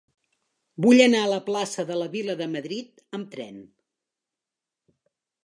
Vull anar a la plaça de la Vila de Madrid amb tren.